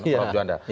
pak rok juwanda